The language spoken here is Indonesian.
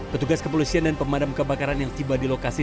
petugas kepolisian dan pemadam kebakaran yang tiba di lokasi